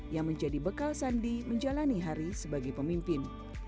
yang menjadi bekal sandi menjalani hari sebagai pemimpin